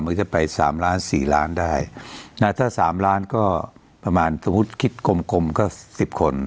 ก็จะไป๓ล้าน๔ล้านได้ถ้า๓ล้านก็ประมาณสมมุติคิดกลมก็๑๐คน